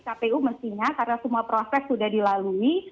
kpu mestinya karena semua proses sudah dilalui